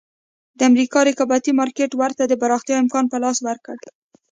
د امریکا رقابتي مارکېټ ورته د پراختیا امکان په لاس ورکړ.